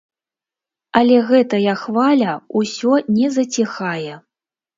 Але гэтая хваля ўсё не заціхае.